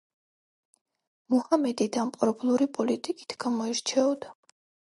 მუჰამედი დამპყრობლური პოლიტიკით გამოირჩეოდა.